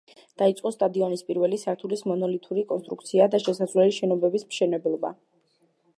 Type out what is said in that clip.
დაიწყო სტადიონის პირველი სართულის მონოლითური კონსტრუქციისა და შესასვლელი შენობების მშენებლობა.